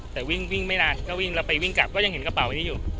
แต่วิ่งวิ่งไม่นานก็วิ่งแล้วไปวิ่งกลับก็ยังเห็นกระเป๋านี้อยู่